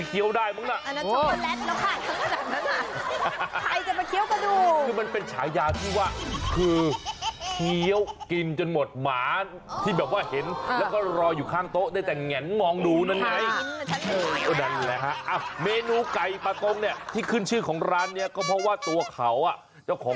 เหมือนนะแต่ผมว่ามันก็คล้ายอยู่เหมือนกันหนังสีเหลืองเหมือนกันเอออ๋อ